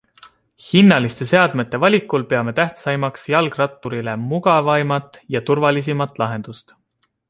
Hinnaliste seadmete valikul peame tähtsaimaks jalgratturile mugavaimat ja turvalisimat lahendust.